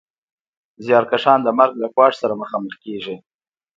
زیارکښان د مرګ له ګواښ سره مخامخ کېږي